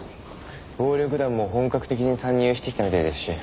暴力団も本格的に参入してきたみたいですし。